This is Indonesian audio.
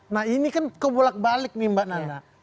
nah ini kan kebulak balik nih mbak nana